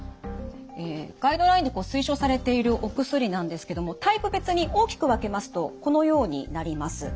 ガイドラインで推奨されているお薬なんですけどもタイプ別に大きく分けますとこのようになります。